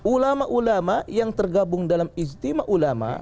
ulama ulama yang tergabung dalam istimewa ulama